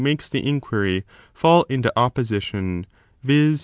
makes the inquiry fall into opposition, yiz.